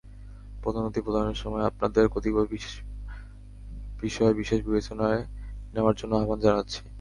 পদোন্নতি প্রদানের সময় আপনাদের কতিপয় বিষয় বিশেষ বিবেচনায় নেওয়ার জন্য আহ্বান জানাচ্ছি।